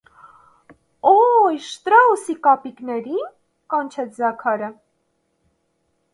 - Օ՜յ, Շտրաուսի կապիկների՞ն,- կանչեց Զաքարը: